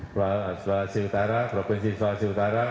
sulawesi utara provinsi sulawesi utara